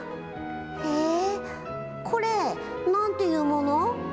へぇ、これ、なんていうもの？